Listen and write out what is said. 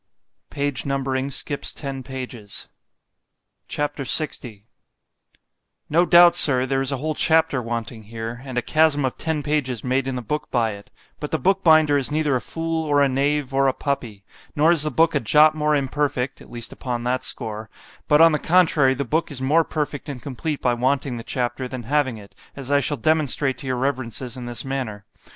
_ C H A P. LX —NO doubt, Sir,—there is a whole chapter wanting here—and a chasm of ten pages made in the book by it—but the book binder is neither a fool, or a knave, or a puppy—nor is the book a jot more imperfect (at least upon that score)——but, on the contrary, the book is more perfect and complete by wanting the chapter, than having it, as I shall demonstrate to your reverences in this manner.